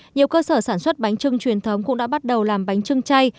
nhiều cơ sở sản xuất bánh trưng truyền thống cũng đã bắt đầu làm bánh trưng chay